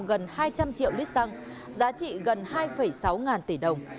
gần hai trăm linh triệu lít xăng giá trị gần hai sáu ngàn tỷ đồng